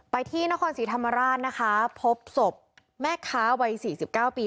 ไปที่นครศรีธรรมราชนะคะพบศพแม่ค้าวัย๔๙ปี